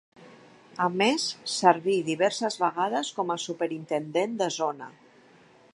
A més servi diverses vegades com Superintendent de Zona.